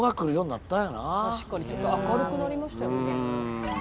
確かにちょっと明るくなりましたよね。